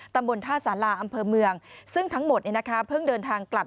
ตำบลท่าสาราอำเภอเมืองซึ่งทั้งหมดเพิ่งเดินทางกลับ